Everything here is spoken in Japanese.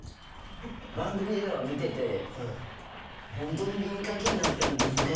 番組では見ててホントに耳かきになってるんですね。